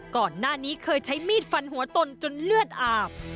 ก่อนหน้านี้เคยใช้มีดฟันหัวตนจนเลือดอาบ